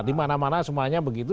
di mana mana semuanya begitu